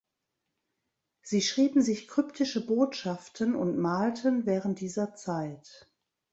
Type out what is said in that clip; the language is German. Sie schrieben sich kryptische Botschaften und malten während dieser Zeit.